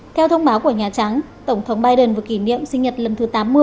theo thông báo của nhà trắng tổng thống biden vừa kỷ niệm sinh nhật lần thứ tám mươi